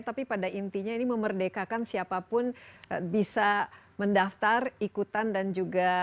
tapi pada intinya ini memerdekakan siapapun bisa mendaftar ikutan dan juga